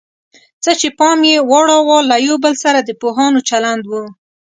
څه چې پام یې واړاوه له یو بل سره د پوهانو چلند و.